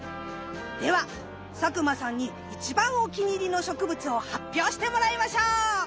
では佐久間さんに一番お気に入りの植物を発表してもらいましょう！